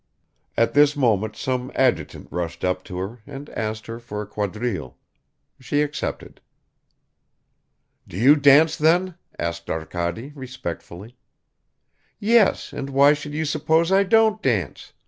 At this moment some adjutant rushed up to her and asked her for a quadrille. She accepted. "Do you dance then?" asked Arkady respectfully. "Yes, and why should you suppose I don't dance?